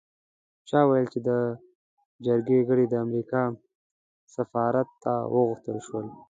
چا ویل چې د جرګې غړي د امریکا سفارت ته وغوښتل شول.